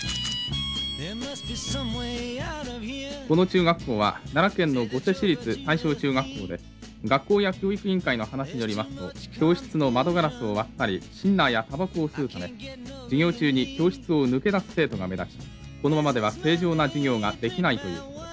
この中学校は奈良県の御所市立大正中学校で学校や教育委員会の話によりますと教室の窓ガラスを割ったりシンナーやたばこを吸うため授業中に教室を抜け出す生徒が目立ちこのままでは正常な授業ができないという。